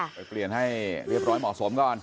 ไปเปลี่ยนให้เรียบร้อยเหมาะสมก่อน